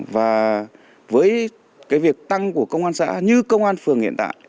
và với việc tăng của công an xã như công an phường hiện tại